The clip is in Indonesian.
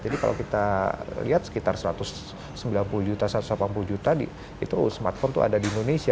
jadi kalau kita lihat sekitar satu ratus sembilan puluh juta satu ratus delapan puluh juta itu smartphone tuh ada di indonesia